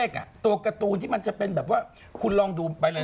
การ์ตูนที่มันจะเป็นแบบว่าคุณลองดูเบิกไทย